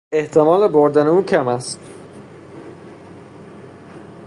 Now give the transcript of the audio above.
احتمال بردن او کم است.